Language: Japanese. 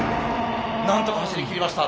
なんとか走りきりました。